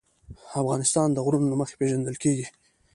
افغانستان د غرونه له مخې پېژندل کېږي.